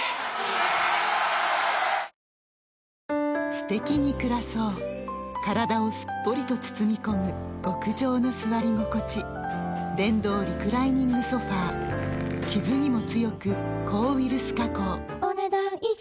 すてきに暮らそう体をすっぽりと包み込む極上の座り心地電動リクライニングソファ傷にも強く抗ウイルス加工お、ねだん以上。